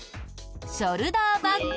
ショルダーバッグ？